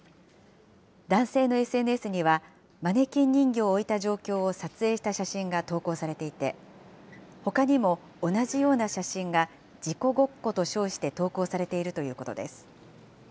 男性のＳＮＳには、マネキン人形を置いた状況を撮影した写真が投稿されていて、ほかにも同じような写真が、事故ごっこと称して投稿されているということです。